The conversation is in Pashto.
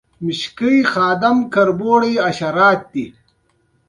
د بل هر وخت نه زیات د سقوط سره مخامخ دی.